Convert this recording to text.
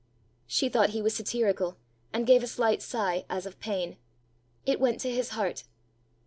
She thought he was satirical, and gave a slight sigh as of pain. It went to his heart.